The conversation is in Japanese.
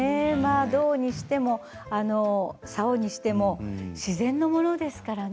胴にしても棹にしても自然のものですからね。